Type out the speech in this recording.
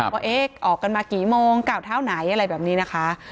ว่าเอ๊ะออกกันมากี่โมงเก่าเท้าไหนอะไรแบบนี้นะคะ